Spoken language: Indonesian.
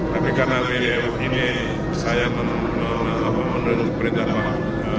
tapi karena wwf ini saya menurut berita pak